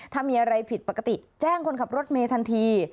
ถ้ามีอะไรผิดปกติแจ้งคนขับรถเมทันที